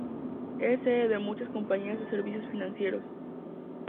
Es sede de muchas compañías de servicios financieros.